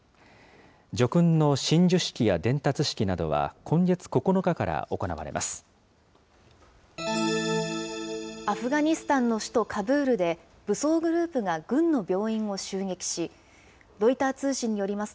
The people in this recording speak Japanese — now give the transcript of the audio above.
叙勲の親授式や伝達式などは、今月９日から行われます。